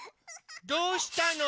どうしたの？